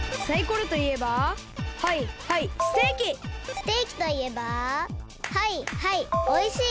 ステーキといえばはいはいおいしい！